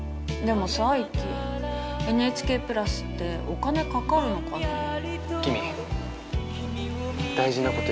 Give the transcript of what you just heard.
でもさイッキＮＨＫプラスってお金かかるのかな。